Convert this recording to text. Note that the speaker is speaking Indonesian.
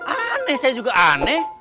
aneh saya juga aneh